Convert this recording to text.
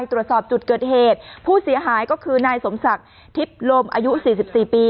ตรวจสอบจุดเกิดเหตุผู้เสียหายก็คือนายสมศักดิ์ทิพย์ลมอายุ๔๔ปี